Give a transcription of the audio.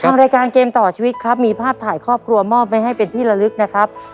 ทางรายการเกมต่อชีวิตครับมีภาพถ่ายครอบครัวมอบไว้ให้เป็นที่ละลึกนะครับ